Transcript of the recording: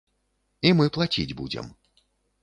І мы плаціць будзем.